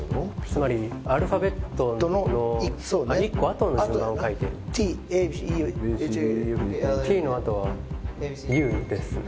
つまりアルファベットの１個あとの順番を書いてるＴＴのあとはＵですね